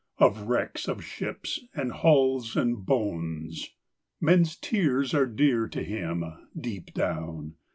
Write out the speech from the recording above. Of wrecks of ships and hulls And bones. Men's tears are dear to him, Deep down.